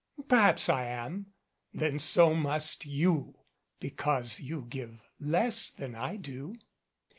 Perhaps I am. Then so must you, because you give less than I do.